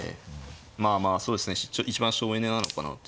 まあまあそうですね一番省エネなのかなっていう。